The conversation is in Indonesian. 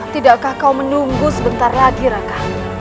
tidakkah kau menunggu sebentar lagi raka